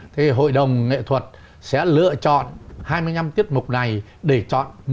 thế hội đồng nghệ thuật sẽ lựa chọn hai mươi năm tiết mục này để chọn